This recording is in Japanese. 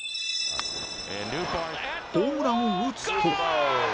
ホームランを打つと